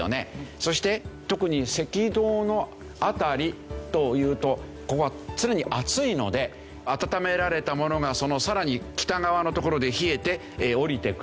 そして特に赤道の辺りというとここは常に暑いので暖められたものがそのさらに北側のところで冷えて下りてくる。